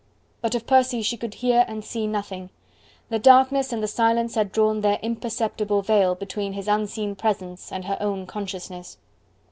But of Percy she could hear and see nothing. The darkness and the silence had drawn their impenetrable veil between his unseen presence and her own consciousness.